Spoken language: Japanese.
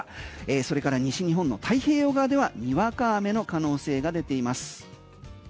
それから西日本の太平洋側ではにわか雨の可能性がでています。